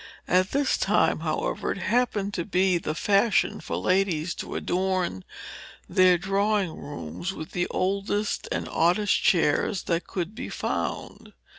At this time, however, it happened to be the fashion for ladies to adorn their drawing rooms with the oldest and oddest chairs that could be found.